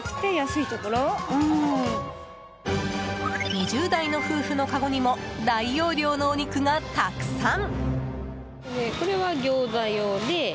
２０代の夫婦のかごにも大容量のお肉がたくさん。